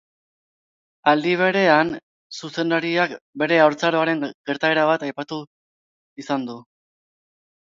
Aldi berean, zuzendariak bere haurtzaroaren gertaera bat aipatu izan du.